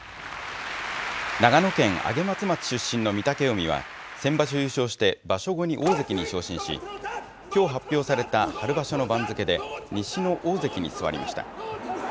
長野県上松町出身の御嶽海は、先場所優勝して場所後に大関に昇進し、きょう発表された春場所の番付で、西の大関に座りました。